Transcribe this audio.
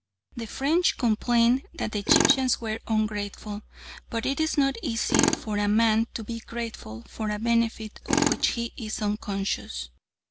The French complained that the Egyptians were ungrateful, but it is not easy for a man to be grateful for a benefit of which he is unconscious.